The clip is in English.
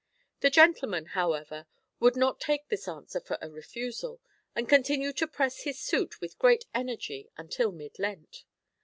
The gentleman, however, would not take this answer for a refusal, and continued to press his suit with great energy until mid Lent.